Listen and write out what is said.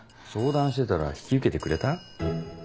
相談してたら引き受けてくれた？